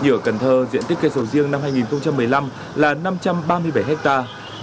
như ở cần thơ diện tích cây sầu riêng năm hai nghìn một mươi năm là năm trăm ba mươi bảy hectare